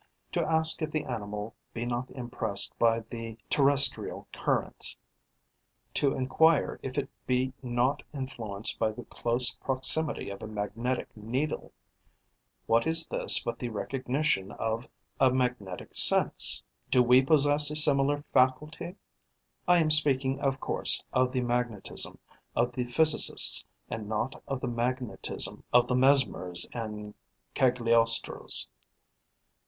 To ask if the animal be not impressed by the terrestrial currents, to enquire if it be not influenced by the close proximity of a magnetic needle: what is this but the recognition of a magnetic sense? Do we possess a similar faculty? I am speaking, of course, of the magnetism of the physicists and not of the magnetism of the Mesmers and Cagliostros.